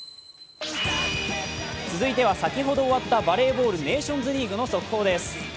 続いては先ほど終わったバレーボールネーションズリーグの速報です。